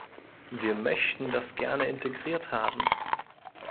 Wir möchten das gerne integriert haben.